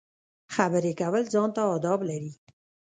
خبرې کول ځان ته اداب لري.